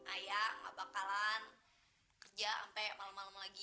ayah gak bakalan kerja sampai malam malam lagi